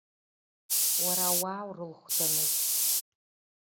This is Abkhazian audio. Уара ауаа урылхәдамызт.